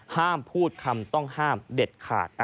ห้ามพูดคำต้องห้ามเด็ดขาด